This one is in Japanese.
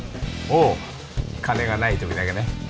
ああ金がない時だけね